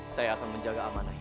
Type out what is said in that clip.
saya akan menjaga amanah